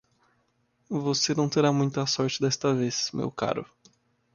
Você não terá muita sorte desta vez, meu caro.